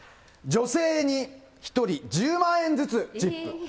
女性に１人１０万円ずつチップ。